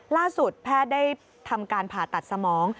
แพทย์ได้ทำการผ่าตัดสมอง